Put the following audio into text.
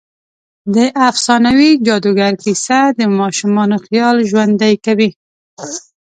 د افسانوي جادوګر کیسه د ماشومانو خيال ژوندۍ کوي.